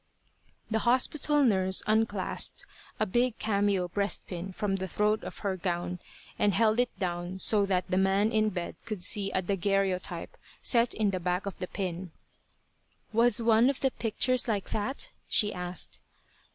The hospital nurse unclasped a big cameo breast pin from the throat of her gown and held it down so that the man in bed could see a daguerreotype set in the back of the pin. "Was one of the pictures like that?" she asked.